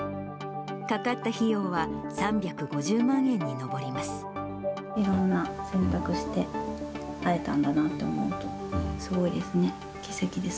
かかった費用は３５０万円に上ります。